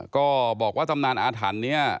ก็บอกว่าจำนานอาถรรย์นี้